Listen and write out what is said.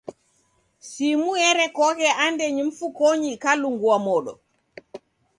Simu erekoghe andenyi mfukonyi ikalungua modo.